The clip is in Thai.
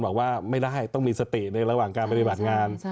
บอกว่าไม่ได้ต้องมีสติในระหว่างการปฏิบัติงาน